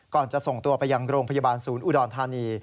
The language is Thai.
จะส่งตัวไปยังโรงพยาบาลศูนย์อุดรธานี